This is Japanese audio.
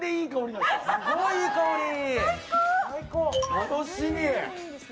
楽しみ！